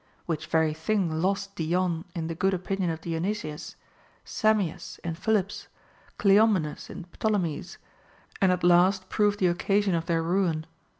Which very thing lost Dion in the good opinion of Dionysius, Samius in Philip's, Cleomenes in Ptolemy's, and at last proved the occasion of their ruin.